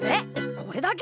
これだけ！？